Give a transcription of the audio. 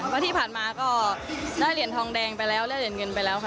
เพราะที่ผ่านมาก็ได้เหรียญทองแดงไปแล้วได้เหรียญเงินไปแล้วค่ะ